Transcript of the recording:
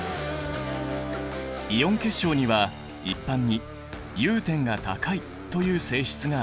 イオン結晶には一般に融点が高いという性質がある。